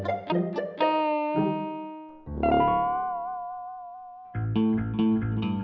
gak ada yang mau mencari